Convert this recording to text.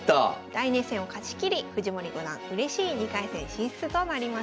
大熱戦を勝ちきり藤森五段うれしい２回戦進出となりました。